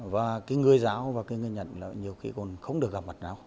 và cái người giáo và cái người nhận là nhiều khi còn không được gặp mặt nào